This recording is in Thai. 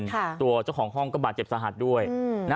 ตัวเจ้าของห้องก็บาดเจ็บสาหัสด้วยอืมนะ